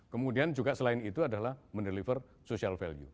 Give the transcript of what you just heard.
kemudian juga selain itu adalah mendeliver social value